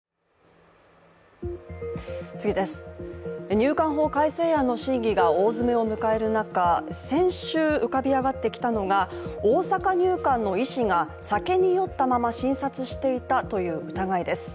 入管法改正案の審議が大詰めを迎える中先週、浮かび上がってきたのが大阪入管の医師が酒に酔ったまま診察していたという疑いです